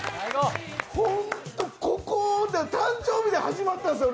本当、ここで誕生日に始まったんですよ